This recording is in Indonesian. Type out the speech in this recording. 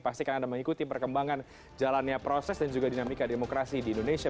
pastikan anda mengikuti perkembangan jalannya proses dan juga dinamika demokrasi di indonesia